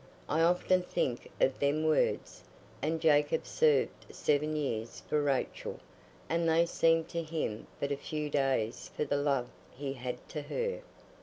I often think of them words, 'And Jacob served seven years for Rachel; and they seemed to him but a few days for the love he had to her.